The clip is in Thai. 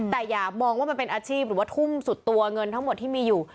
แต่อย่ามองว่ามันเป็นอาชีพหรือว่าทุ่มสุดตัวเงินทั้งหมดที่มีอยู่